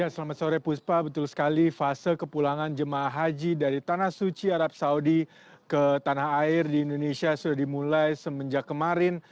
selamat sore puspa betul sekali fase kepulangan jemaah haji dari tanah suci arab saudi ke tanah air di indonesia sudah dimulai semenjak kemarin